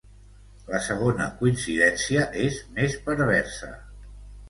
La segona coincidència és més perversa.